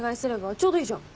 ちょうどいいじゃん。